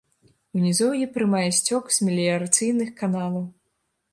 У нізоўі прымае сцёк з меліярацыйных каналаў.